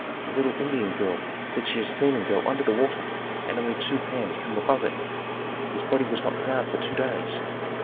A little Indian girl said she had seen him go under the water and only two hands come above it. His body was not found for two days.